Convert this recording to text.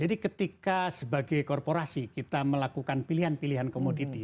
jadi ketika sebagai korporasi kita melakukan pilihan pilihan komoditi